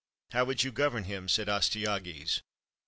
"How would you govern him?" said Astyages.